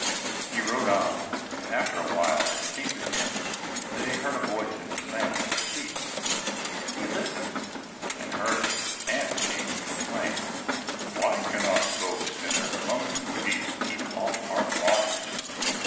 He rode on, and after a while it seemed to him that he heard a voice in the sand at his feet. He listened, and heard an ant king complain, "Why cannot folks, with their clumsy beasts, keep off our bodies?